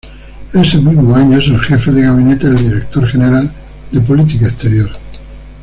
Ese mismo año es Jefe de Gabinete del Director General de Política Exterior.